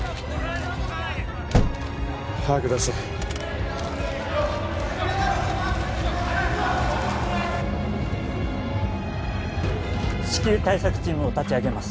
早く出せ至急対策チームを立ち上げます